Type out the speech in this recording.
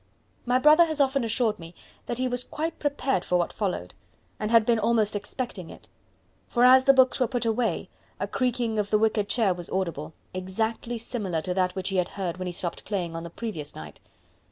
My brother has often assured me that he was quite prepared for what followed, and had been almost expecting it; for as the books were put away, a creaking of the wicker chair was audible, exactly similar to that which he had heard when he stopped playing on the previous night.